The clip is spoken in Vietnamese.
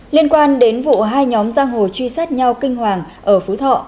liên quan đến vụ hai nhóm giang hồ truy sát nhau kinh hoàng ở phú thọ